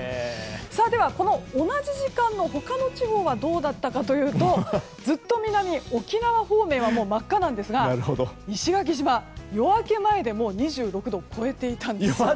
では、この同じ時間の他の地方はどうだったかというとずっと南の沖縄方面は真っ赤なんですが石垣島、夜明け前でもう２６度を超えていたんです。